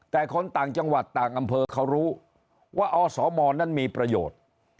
แต่คนต่างจังหวัดต่างอำเภอเขารู้ว่าอสมนั้นมีประโยชน์